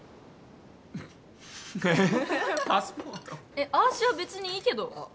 えっあーしは別にいいけどあっ